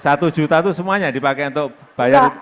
rp satu itu semuanya dipakai untuk bayar